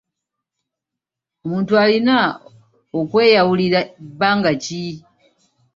Omuntu alina okweyawulira bbanga ki?